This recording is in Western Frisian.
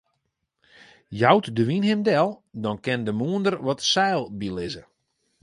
Jout de wyn him del, dan kin de mûnder wat seil bylizze.